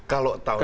kalau tahun ini